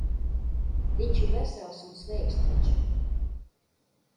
Viņš ir vesels un sveiks taču.